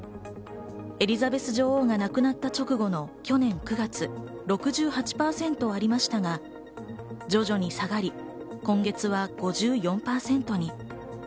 エリザベス女王が亡くなった直後の去年９月、６８％ありましたが、徐々に下がり、今月は５４％に。